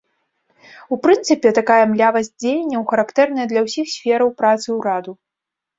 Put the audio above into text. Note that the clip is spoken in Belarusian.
У прынцыпе, такая млявасць дзеянняў характэрная для ўсіх сфераў працы ўраду.